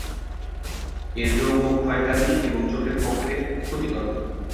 এই যৌগ ক্ষয়কারী এবং চোখের পক্ষে ক্ষতিকারক।